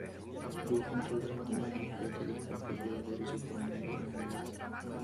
El jugador controla una flota de platillos voladores, operando uno a la vez.